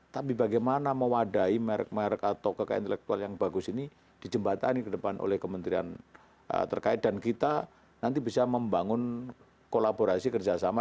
tapi bagaimana mewadahi merk merk atau keke intelektual yang bagus ini dijembatani kedepan oleh kementerian terkait dan kita nanti bisa membangun kolaborasi kerja sama